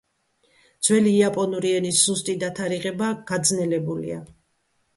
ძველი იაპონური ენის ზუსტი დათარიღება გაძნელებულია.